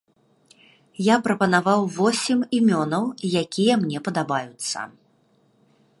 Я прапанаваў восем імёнаў, якія мне падабаюцца.